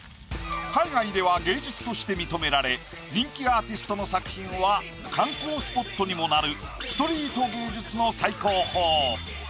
海外では芸術として認められ人気アーティストの作品は観光スポットにもなるストリート芸術の最高峰。